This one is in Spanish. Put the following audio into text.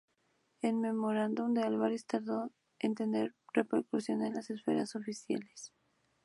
El "Memorándum" de Álvarez tardó en tener repercusión en las esferas oficiales.